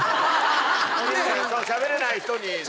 しゃべれない人に。